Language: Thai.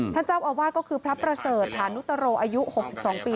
ท่านเจ้าอาวาสก็คือพระประเสริฐฐานุตโรอายุ๖๒ปี